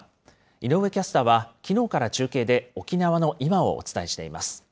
井上キャスターは、きのうから中継で、沖縄の今をお伝えしています。